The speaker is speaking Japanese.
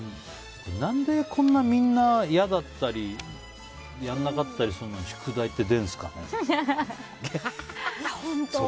何でこんなみんな嫌だったりやらなかったりするのに宿題って出るんですかね。